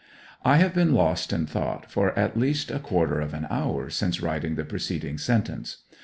... I have been lost in thought for at least a quarter of an hour since writing the preceding sentence.